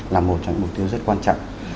là một trong những mục tiêu rất quan trọng